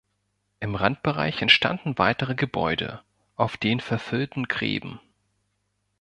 Im Randbereich entstanden weitere Gebäude auf den verfüllten Gräben.